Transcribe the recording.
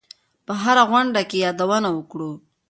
په هره غونډه کې یې یادونه وکړو.